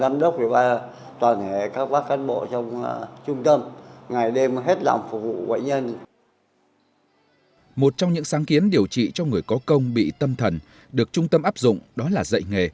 một trong những sáng kiến điều trị cho người có công bị tâm thần được trung tâm áp dụng đó là dạy nghề